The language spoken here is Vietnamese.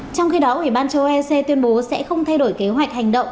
trong khi đó ủy ban châu âu ec tuyên bố sẽ không thay đổi kế hoạch hành động